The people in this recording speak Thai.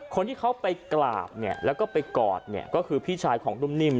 คนที่เขาก็หักไกลบก็คือพี่ชายของนุ่มนิ่ม